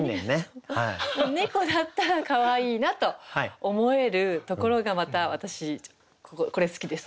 なのに猫だったらかわいいなと思えるところがまた私これ好きです。